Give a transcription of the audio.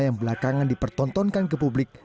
yang belakangan dipertontonkan ke publik